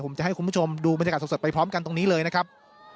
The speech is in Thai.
ผมจะให้คุณผู้ชมดูบรรยากาศสดไปพร้อมกันตรงนี้เลยนะครับ